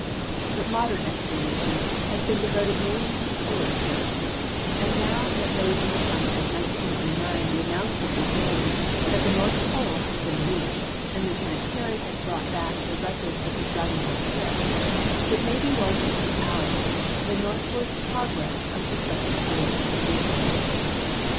But modern exploration has been devoted mainly to Polar search, and now that late in the summer of 1909 the announcement is made that the North Pole has been reached, and Lieutenant Peary has brought back the rec ords of his valuable trip, it may be well to point out the northward progress of successive Polar expeditions.